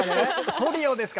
トリオですか。